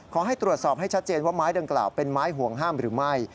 ขอให้ตรวจสอบให้ชัดเจนว่าไม้ดังกล่าวเป็นไม้ห่วงห้ามหรือไม่